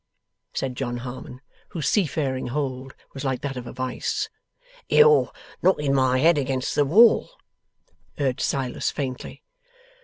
said John Harmon, whose seafaring hold was like that of a vice. 'You're knocking my head against the wall,' urged Silas faintly.